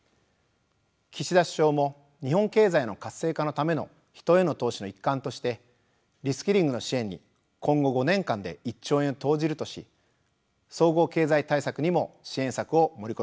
岸田首相も日本経済の活性化のための人への投資の一環としてリスキリングの支援に今後５年間で１兆円を投じるとし総合経済対策にも支援策を盛り込みました。